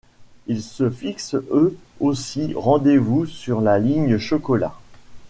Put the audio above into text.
Ils se fixent eux aussi rendez-vous sur la ligne chocolat.